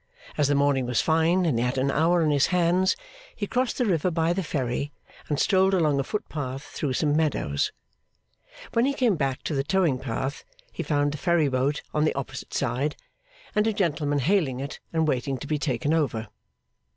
As the morning was fine and he had an hour on his hands, he crossed the river by the ferry, and strolled along a footpath through some meadows. When he came back to the towing path, he found the ferry boat on the opposite side, and a gentleman hailing it and waiting to be taken over.